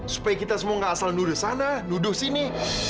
supaya kita semua gak asal nuduh sana nuduh sini